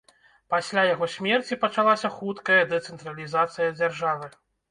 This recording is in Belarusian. Пасля яго смерці пачалася хуткая дэцэнтралізацыя дзяржавы.